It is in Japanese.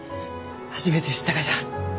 初めて知ったがじゃ。